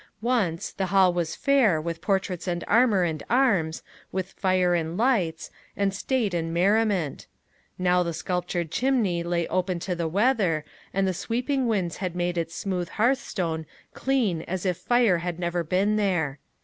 Once, the hall was fair with portraits and armor and arms, with fire and lights, and state and merriment; now the sculptured chimney lay open to the weather, and the sweeping winds had made its smooth hearthstone clean as if fire had never been there.